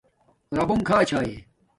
ربونگ کھاچھاݺ